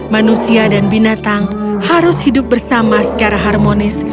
manusia dan binatang harus hidup bersama secara harmonis